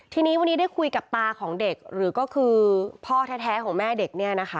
ทีนี้วันนี้ได้คุยกับตาของเด็กหรือก็คือพ่อแท้ของแม่เด็กเนี่ยนะคะ